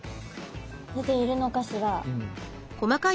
出ているのかしら？